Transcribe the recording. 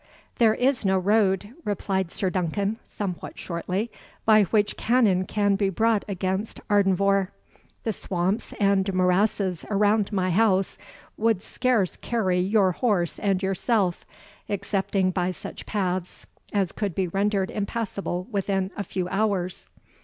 "There is no road," replied Sir Duncan, somewhat shortly, "by which cannon can be brought against Ardenvohr. The swamps and morasses around my house would scarce carry your horse and yourself, excepting by such paths as could be rendered impassable within a few hours."